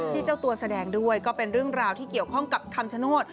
เจ้าตัวแสดงด้วยก็เป็นเรื่องราวที่เกี่ยวข้องกับคำชโนธ